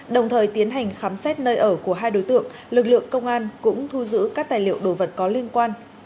đồng thời tiến hành khám xét nơi ở của hai đối tượng lực lượng công an cũng thu giữ các tài liệu đồ vật có liên quan